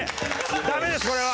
ダメですこれは。